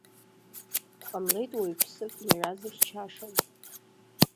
Дҟамлеит уаҩԥсык иара зыхьчашаз.